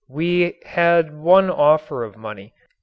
We had one offer of money.